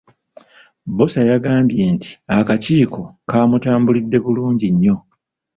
Bbosa yagambye nti akakiiko kaamutambulidde bulungi nnyo.